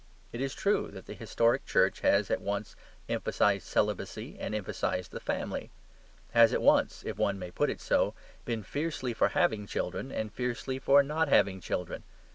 It is true that the historic Church has at once emphasised celibacy and emphasised the family; has at once (if one may put it so) been fiercely for having children and fiercely for not having children.